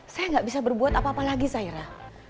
saya gak bisa berbuat apa apa lagi sahira